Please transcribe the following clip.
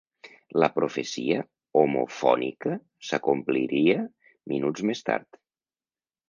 La profecia homofònica s'acompliria minuts més tard.